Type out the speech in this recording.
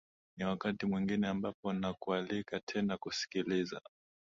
ni wakati mwingine ambapo nakualika tena kusikiliza